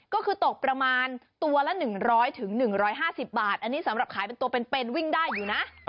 ก็คือตกประมาณตัวละ๑๐๐๑๕๐บาทอันนี้สำหรับขายเป็นตัวเป็นวิ่งได้อยู่นะ